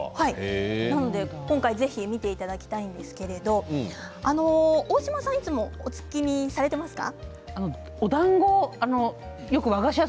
今回ぜひ見ていただきたいんですが大島さんはいつもお月見はされていますか？